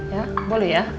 ya boleh ya